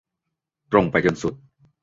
ตรงไปจนสุด